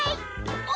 お！